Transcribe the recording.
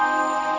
ya udah deh